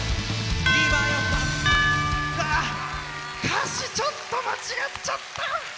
歌詞ちょっと間違えちゃった。